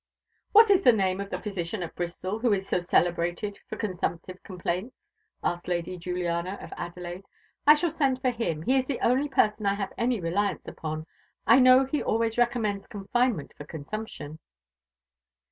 "What is the name of the physician at Bristol who is so celebrated for consumptive complaints?" asked Lady Juliana of Adelaide. "I shall send for him; he is the only person I have any reliance upon. I know he always recommends confinement for consumption."